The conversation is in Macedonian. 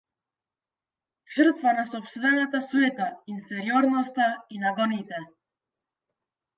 Жртва на сопствената суета, инфериорноста и нагоните.